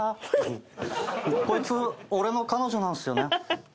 こいつ俺の彼女なんすよね。